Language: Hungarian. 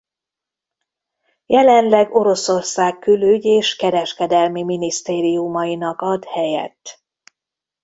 Jelenleg Oroszország Külügy- és Kereskedelmi minisztériumainak ad helyet.